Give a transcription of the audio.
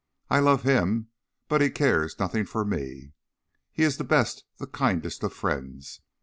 "I love him, but he cares nothing for me. He is the best, the kindest of friends.